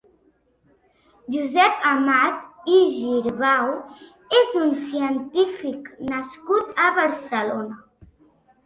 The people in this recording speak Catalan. Josep Amat i Girbau és un científic nascut a Barcelona.